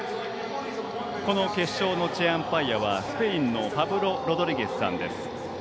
この決勝のチェアアンパイアはスペインのパブロ・ロドリゲスさんです。